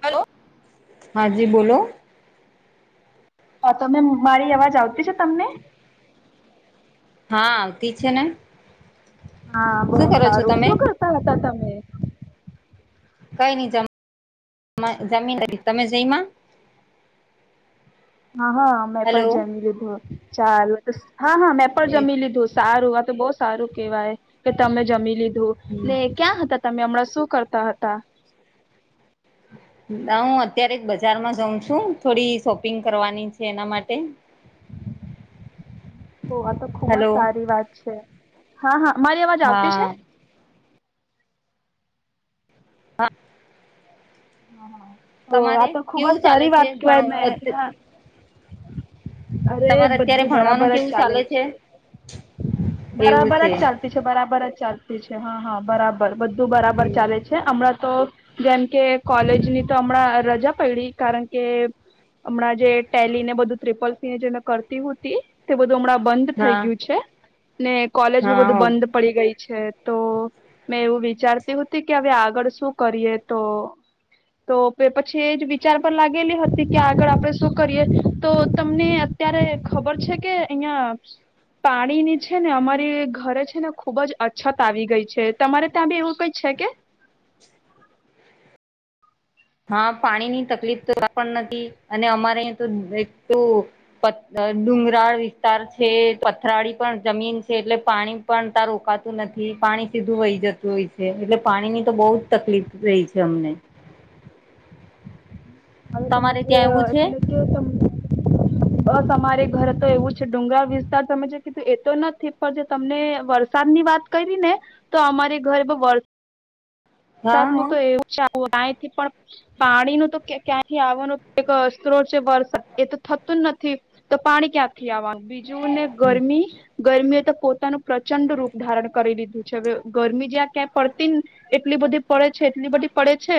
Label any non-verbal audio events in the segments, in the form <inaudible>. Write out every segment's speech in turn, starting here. Hello હા જી બોલો હા તમે મારી અવાજ આવતી છે તમને? હા આવતી છે ને. હા બહુ શું કરો છો સારું. તમે શું કરતા હતા તમે? કઈ નઈ જમ જમી નથી. તમે જઈમાં? હા હા મેં હેલો પણ જમી લીધું. ચાલ હા હા મેં પણ જમી લીધું સ. સારું આ તો બહુ સારું કેવાય કે તમે જમી લીધું. ને ક્યાં હતા તમે હમણાં શું કરતા હતા? હું અત્યારે બજારમાં જઉં છું. થોડી શોપિંગ કરવાની છે એના માટે. ઓહ! આ તો ખુબ જ હેલો સારી વાત છે. હા હા મારી અવાજ આવતી છે? હા હા હા તો આ ખુબ જ કેવું ચાલે સારી છે વાત કેવાય મેં ભણ હા. અરે તમારે અત્યારે બધું બરાબર ભણવાનું જ કેવું ચાલે છે. એવું બરાબર છે જ ચાલ તી છે. બરાબર જ ચાલતી છે. હા હા બરાબર બધું બરાબર ચાલે છે. છે હમણાં તો જેમ કે કોલેજની તો હમણાં રજા પયડી. કારણ કે હમણાં જે ટેલી ને બધું ટ્રિપલ જે મેં કરતી હતી તે બધું હમણાં બંધ થઈ હા ગયું છે ને કોલેજ બ બધું હા બંધ પડી ગઈ છે તો મેં એવું વિચારતી હતી કે હવે આગળ શું કરીએ તો તો પછી એ જ વિચાર પર લાગેલી હતી કે આગળ આપડે શું કરીએ તો તમને અત્યારે ખબર છે કે અહિયાં પાણી ની છે ને અમારી ઘરે છે ને ખુબ જ અછત આવી ગઈ છે તમારે ત્યાં બી એવું કઈ છે કે હા પાણીની તકલીફ તો પણ નથી અને અમારે અહી તો એક પ ડુંગરાળ વિસ્તાર છે પથરાળી પણ જમીન છે, એટલે પાણી પણ ત્યાં રોકાતું નથી પાણી સીધું વહી જતું હોય છે એટલે પાણીની તો બહુ જ તકલીફ રહી છે અમને હવે તો તમારે મત ત્યાં એવું છે એટલે કે ત બસ અમારે ઘરે તો એવુ છે, ડુગર વિસ્તાર તમે જે કીધું એતો નથી પણ તમને વરસાદ ની વાત કરી ને તો અમારે ઘરે વર હા વરસાદ નું તો હા એવું કથી પણ પાણી ન તો ક્યાંથી આવવાનું એક સ્ત્રોત છે વરસાદ એ તો થતું જ નથી તો પાણી ક્યાંથી આવવાનું બીજું જો ને ગરમી ગરમી હો તો પોતાનું પ્રચંડ રૂપ ધારણ કરી લીધું છે હવે ગરમી જ્યાં ક્યાં પડતી ને એટલી બધી પડે છે એટલી બધી પડે છે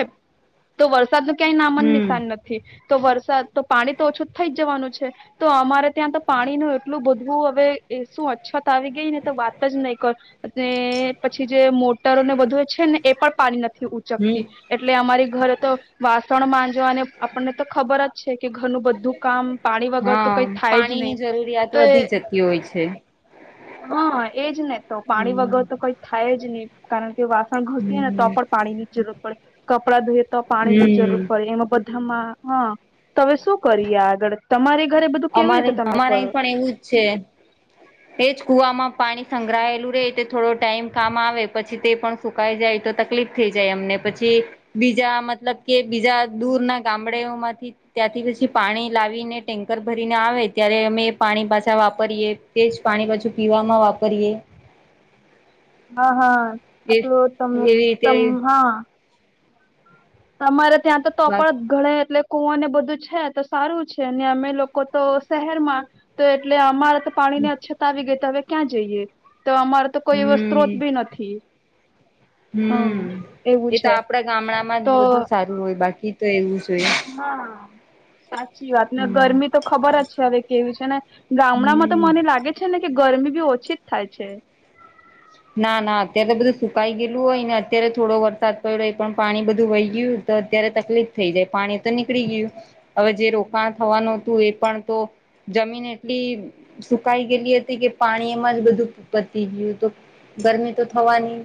તો વરસાદ નું ક્યાંય નામન હમ નિશાન નથી તો વરસાદ તો પાણી તો ઓછું થઈ જ જવાનું છે તો અમારે ત્યાં તો પાણી ન એટલું બધવું હવે એ શું અછત આવી ગઈ ને તો વાત જ નહીં કર અને પછી જે મોટરો ને બધું છે ને એ પણ પાણી નથી હમ ઉંચકતી એટલે અમારી ઘરે તો વાસણ બાજો અને આપણને તો ખબર જ છે કે ઘરનું બધું કામ પાણી વગર હા તો કઈ થાય જ નહીિ પાણીની જરૂરિયાત તો એ વધી જતી હોય છે હા એજ ને તો પાણી હમ વગર તો કઈ થાય જ નહી કારણ કે વાસણ ઘસીએ ને તો હમ પણ પાણી ની જરૂર પડે કપડા ધોએ તો પાણી ની હમ જરૂર પડે એમા બધ હા તમે શું કરીએ આગળ તમારી ઘરે બધું કેવી અમારે રીતે તમે અમારે અહીં કરો એવું પણ જ છે એજ કુવામાં પાણી સંગ્રહાયેલું રે તે થોડો ટાઈમ કામ આવે પછી તે પણ સુકાઈ જાય તો તકલીફ થઈ જાય એમને પછી બીજા મતલબ કે બીજા દૂર ના ગામડઓમાંથી ત્યાંથી પછી પાણી લાવીનેટેક કરર ભરીને આવે ત્યારે અમે એ પાણી પાછા વાપરીએ તે જ પાણી પાછું પીવામાં વાપરીએ હા હા એ તો તમ એવી રીતે તમ હા તમારે ત્યાં તો તો પણ બાકી ગણે એટલે કુવા ને બધુ છે, તો સારુ છેને, અમે લોકો તો શહેરમા તો એટલે અમારે તો પાણી ને અછત આવી ગઈ તો હવે ક્યાં જઈએ તો અમારે તો કોઈ એ સ્ત્રોત હમ બી નથી હમ એવુ છે. ગામડા માં તો બધું સારું હોય બાકી તો એવું જ હોય હા સાચી વાત ને હમ ગરમી તો ખબર જ છે હવે કેવીું છે ને ગામડામાં તો હમ મને લાગે છેને, કે ગરમી બી ઓછી જ થાય છે. ના ના અત્યારે તો બધું સુકાઈ ગયેલું હોય ને અત્યારે થોડો વરસાદ પડ્યોય પણ પાણી બધું વહી ગયું તો અત્યારે તકલીફ થઈ જાય પાણી તો નીકળી ગયું હવે જે રોકાણ થવાનું હતું એ પણ તો જમીન એટલી સુકાઈ ગયેલી હતી કે પાણી એમાં જ બધું પતી ગયું હત ગરમી તો થવાની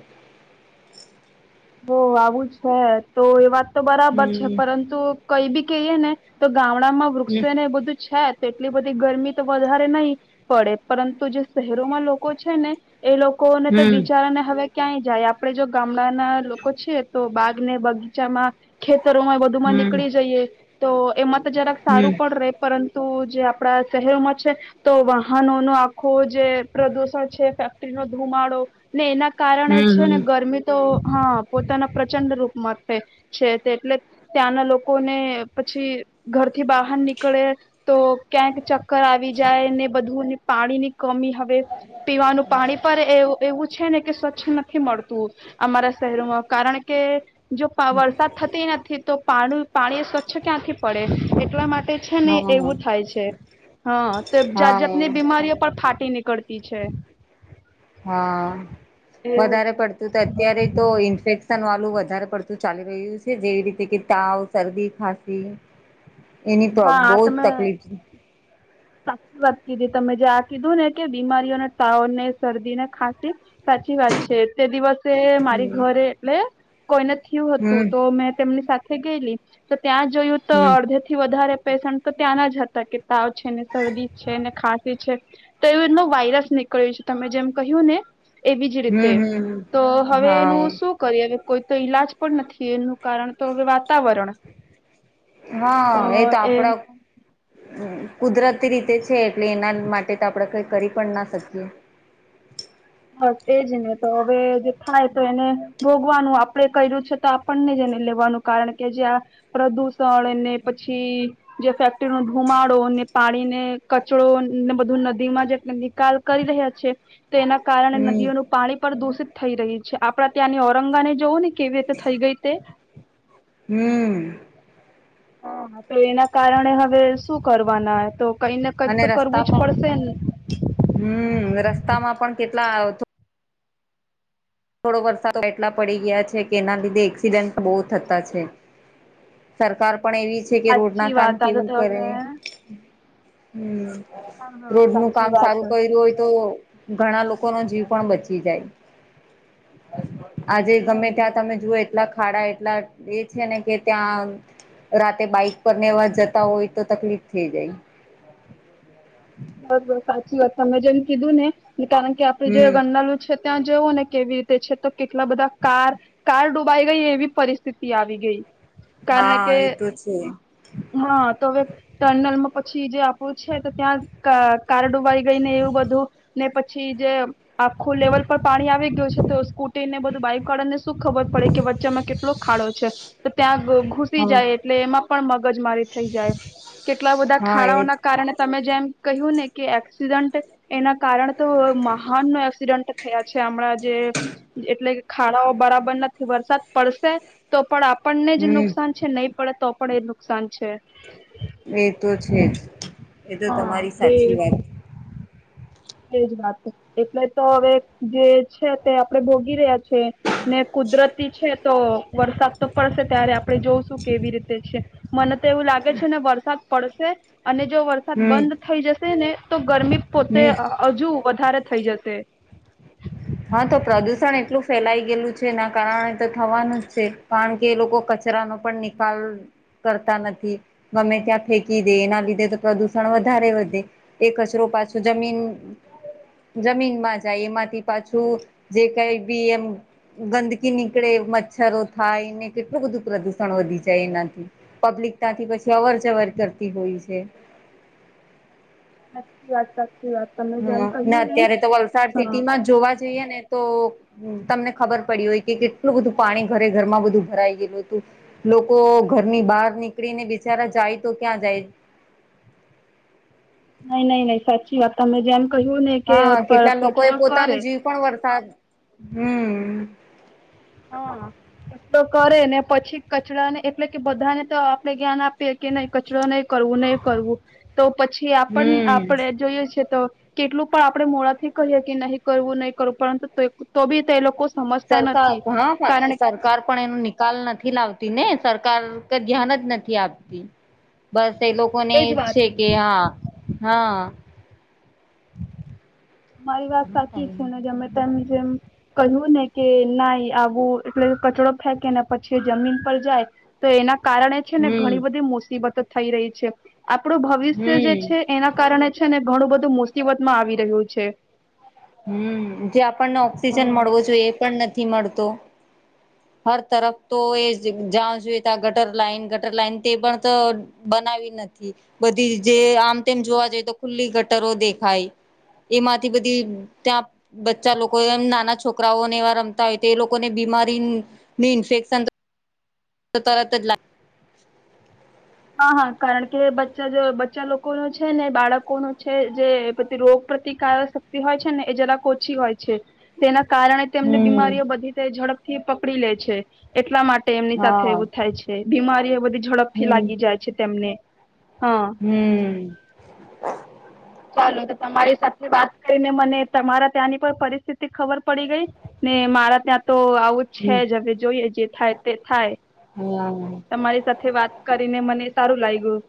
હો આવું છે તો એ વાત તો બરાબર છે હમ પરંતુ કઈ બી કહીએ ને તો ગામડા માં હમ વૃક્ષો ને એ બધું છે જ તેટલી બધી ગરમી તો વધારે નહી પડે પરંતુ જે શહેરોમાં લોકો છે ને એ લોકોને તો હમ બિચારા ને હવે ક્યાંય જાય આપડે જો ગામડાના છે તો બાગ ને બગીચામાં ખેતરોમાં બધું માં નીકળી જઈએ તો એમાં તો જરાક સારું હમ પણ રે પરંતુ તો જે આપડા શહેરોમાં છે તો વાહનોનો આખું જે પ્રદુષણ છે ફેક્ટરી નો ધુમાડો ને એના કારણે છે હમ ને ગરમી તો હા પોતાના પ્રચંડ રૂપમાં છે તે એટલે ત્યાંના લોકો ને પછી ઘરથી બહાર નીકળે તો ક્યાંક ચક્કર આવી જાય ને બધું પાણી ની કમી હ હે પીવાનું પાણી પર એવુ એવું છે ને કે સ્વચ્છ નથી મળતું અમારા શહેરોમાં કારણ કે જો પણ વરસાદ થતી નથી તો પા પાણી સ્વચ્છ ક્યાંથી પડે એટલા માટે છે ને હમ હમ એવું થાય છે હા તો હા જાત હા જાતની બીમારીઓ પર ફાટી નીકળતી બી છે. હા એવું વધારે પડતું તો છે અત્યારે જ તો ઇન્ફેક્શન વાળું વધારે પડતું ચાલી રહ્યું છે જેવી રીતે કે તાવ શરદી ખાંસી એની તો હા આ બહુ જ તમે તકલીફ સાચી વાત કીધી તમે જે આ કીધું ને કે બીમારીઓને તાવ ને શરદી ને ખાંસી સાચી વાત છે તે દિવસ તે મારી હમ ઘરે એટલે કોઈને થયું હતું તો મેં તેમની સાથે ગયેલી તો ત્યાં જોયું હમ તો હમ અડધે થી વધારે પેશન્ટ તો ત્યાંના જ હતા કે તાવ છે ને શરદી છે ને ખાંસી છે તો એવું એનો વાયરસ નીકળ્યો છે તમે જેમ કહ્યું ને એવી જ રીતે હમ હમ તો હવે એનું હા શું કરી હવે કોઈ તો ઈલાજ પણ નથી એનું કારણ તો હવે વાતાવરણ હા એ તો આપડો કુદરતી રીતે છે એટલે એના માટે તો આપણે કંઈ કરી પણ ના શકીએ. હસે એજ ને તો હવે જે થાય તો એને ભોગવાનું આપણે કર્યું છે તો આપણને જને લેવાનું કારણ કે જ્યાં આ પ્રદૂષણ એને પછી જે ફેક્ટરી નો ધુમાડો ને પાણી ને કચરો ને બધું નદી માં જેટલે નિકાલ કરી રહ્યા છે તો એના કારણે હમ નદીઓનું પાણી પણ દૂષિત થઈ રહ્યું છે આપડા ત્યાંની ઔરંગા ને જોવું ને કેવી રીતે થઈ ગઈ તે હમ્મ. હ તો એના કારણે હવે શું કરવાના તો કઈને કઈક તો કરવું જ પડશે ને હમ્મ રસ્તામાં પણ કેટલા થોડો વરસાદ એટલા પડી ગયા છે કે એના લીધે એક્સિડેન્ટ બહુ થતા છે. સરકાર પણ એવી છે કે રોડ ના સાચી કામ વાત આ તો કેવું કરે તમે હમ્મ હા હા રોડ નું સાચી કામ વાત સારું કર્યું હોય તો ઘણા લોકો નો જીવ પણ બચી જાય. આજે ગમે ત્યાં તમે જુઓ એટલા ખાડા એટલા એ છે ને કે ત્યાં રાતે બાઈક પર નેવા જતા હોય તો તકલીફ થઈ જાય બસ બસ સાચી વાત તમે જેમ કીધું ને કારણ કે આપડે જે હમ ગરનાળું છે ત્યાં જવું ને કેવી રીતે છે તો કેટલા બધા કાર કાર ડૂબાઈ ગઈ એવી પરિસ્થિતિ આવી ગઈ કારણ કે હા એ તો છે. હા તો હવે ટનલમાં પછી જે આપણું છે તો ત્યાં અ કાર ડુબાઈ ગઈ ને એવું બધું ને પછી જે આખું લેવલ પર પાણી આવી ગયું છે તો સ્કૂટીને બધું બાઈક વાળા ને શું ખબર પડે કે વચ્ચામાં કેટલો ખાડો છે તો ત્યાં ઘૂસી હા જાય એટલે એમાં પણ મગજ મારી થઈ જાય. કેટલા બધા હા એ ખાડાઓના કારણે તમે જેમ કહ્યું ને કે એક્સિડન્ટ એના કારણે તો મહાન નો એક્સિડન્ટ થયા છે હમણાં જે એટલે કે ખાડાઓ બરાબર નથી વરસાદ પડશે તો પણ આપણને જ હમ નુકસાન છે નહીં પડે તો પણ એ નુકસાન છે એ તો છે જ એ તો હા તમારી એ સાચી વાત એજ વાત એટલે તો હવે જે છે તે આપણેે ભોગી રહ્યા છે ને કુદરતી છે તો વરસાદ તો પડશે ત્યારે આપણે જોઉશું કેવી રીતે છે મને તો એવું લાગે છે ને વરસાદ પડશે અને જો વરસાદ હમ બંધ થઈ જશે ને તો ગરમી પોતે હમ હજુ વધારે થઈ જશે હા તો પ્રદુષણ એટલું ફેલાઈ ગયેલું છે એના કારણે તો થવાનું જ છે કારણ કે એ લોકો કચ ચરા નો પણ નિકાલ કરતા નથી ગમે ત્યાં ફેંકી દે એના લીધે તો પ્રદુષણ વધારે વધે એ કચરો પાછો જમીન જમીનમાં જાય એમાંથી પાછું જે કઈ બી એમ ગંદકી નીકળે મચ્છરો થાયને કેટલું બધું પ્રદુષણ વધી જાય એનાથી પબ્લિક ત્યાંથી પછી અવર જવર કરતી હોય છે સાચી વાત સાચી વાત તમે જેમ હ કહ્યું ને અત્યારે તો વલસાડ હા સિટી માં જ જોવા જઈએે ને તો તમને ખબર પડી હોય કે કેટલું બધું પાણી ઘરે ઘરમાં બધું ભરાય ગયેલું હતું લોકો ઘરની બહાર નીકળીને બિચારા જાય તો ક્યાં જાય નઈ નઈ નહી સાચી વાત તમે જેમ કહ્યું ને કે હા કેટલા લોકો એ કચરો પોતાનો કરે જીવ પણ વરસાદ હમ હા કચરો કરે ને પછી કચરાને એટલે કે બધાને તો આપડે જ્ઞાન આપીએ કે નહી કચરો નહી કરવું નહીં કરવું તો પછી આપણ હમ આપણે જોઈએ છે તો કેટલું પણ આપડે મોડાથી કહીએ કે નહી કરવું નહી કરવું પરંતુ તો બી તે લોકો સમજતા સરકાર નથી <unintelligible> હા કારણ એ સરકાર પણ એનો નિકાલ નથી લાવતી ને સરકાર કઈ ધ્યાન જ નથી આપતી બસ એ લોકો ને જ વાત છે કે ને હા હા તમારી વાત સાચી છે ને જેમે તેમ જેમ કહ્યું ને કે ના આવું એટલે કચરો ફેંકે ને પછી જમીન પર જાય તો એના કારણે જ જે હમ ને ઘણી બધી મુસીબતો થઈ રહી છે આપડુ ભવિષ્ય જે હમ છે એના કારણે છે ને ઘણું બધું મુસીબતમાં આવી રહ્યું છે હમ જે આપણને હમ ઓક્સિજન મળવુ જોઈએ પણ નથી મળતો હર તરફ તો એ જા જોઈ ત્યાં ગટર લાઈન ગટર લાઈન તે પણ તો બનાવી નથી બધી જે આમ તેમ જોવા જઈ તો ખુલ્લી ગટરો દેખાય એમાંથી બધી ત્યાં બચ્ચા લોકો એમ નાના છોકરાઓને એવા રમતા હોય તો એ લોકોને બીમારી મિ ઇન્ફેક્સન તો તરત જ લા હા હા કારણ કે બચ્ચા જો બચ્ચા લોકો નો છે ને બાળકો નો છે જે રોગ પ્રતિકારક શક્તિ હોય છે ને એ જરાક ઓછી હોય છે તેના કારણે તેમની હમ બીમારીઓ બધી ઝડપથી પકડી લે છે એટલા માટે એમની સાથે હા એવું થાય છે બીમારી એ બધી ઝડપથી હમ લાગી જાય છે તેમને હા હમ ચાલો તો તમારી સાથે વાત કરીને મને તમારા ત્યાંની પણ પરિસ્થિતિ ખબર પડી ગઈ ને મારા ત્યાં તો આવું જ હમ છે જ હવે જોઈએ જે થાય તે થાય હા તમારી સાથે વાત કરીને મને સારું લાગ્યું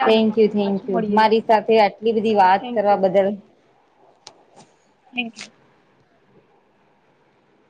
ચાલો થેન્ક તો યુ આપણે થેન્ક પાછું યુ મળીએ મારી સાથે આટલી બધી વાત કરવા બદલ થૅન્ક યુ